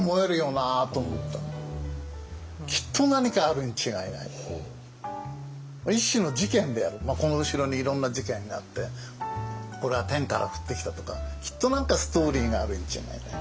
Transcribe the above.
きっと何かあるに違いないこの後ろにいろんな事件があってこれは天から降ってきたとかきっと何かストーリーがあるんじゃないかと。